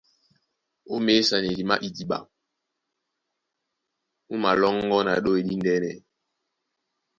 Ó měsanedi má idiɓa. Mú malɔ́ŋgɔ́ na ɗôy díndɛ̄nɛ.